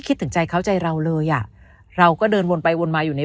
คิดถึงใจเขาใจเราเลยอ่ะเราก็เดินวนไปวนมาอยู่ใน